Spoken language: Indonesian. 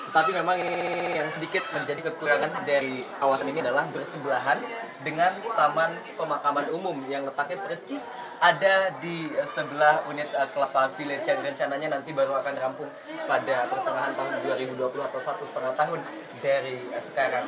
tapi memang ini yang sedikit menjadi kekurangan dari kawasan ini adalah bersebelahan dengan taman pemakaman umum yang letaknya percis ada di sebelah unit kelapa village yang rencananya nanti baru akan rampung pada pertengahan tahun dua ribu dua puluh atau satu setengah tahun dari sekarang